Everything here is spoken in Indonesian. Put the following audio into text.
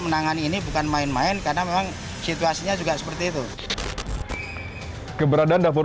menangani ini bukan main main karena memang situasinya juga seperti itu keberadaan dapur